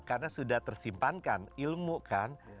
karena sudah tersimpankan ilmu kan